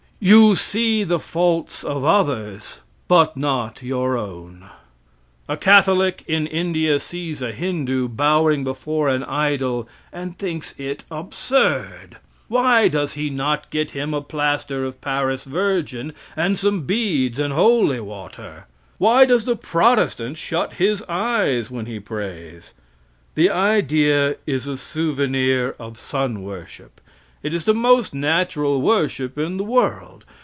You see the faults of others, but not your own. A Catholic in India sees a Hindoo bowing before an idol and thinks it absurd. Why does he not get him a plaster of paris virgin and some beads and holy water? Why does the protestant shut his eyes when he prays? The idea is a souvenir of sun worship. It is the most natural worship in the world.